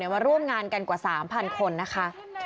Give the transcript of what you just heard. มาร่วมงานกันกว่า๓๐๐คนนะคะ